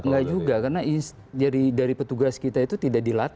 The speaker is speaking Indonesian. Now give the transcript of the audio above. tidak juga karena dari petugas kita itu tidak dilaporkan